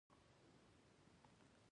هغه د مافیا د خطرناکې ډلې غړی و.